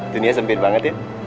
dunia sempit banget ya